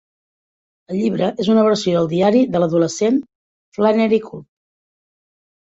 El llibre és una versió del diari de l'adolescent Flannery Culp.